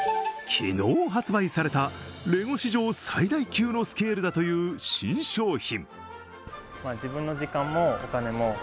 昨日発売されたレゴ史上最大級のスケールだという新商品。